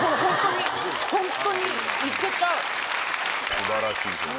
素晴らしいこれ。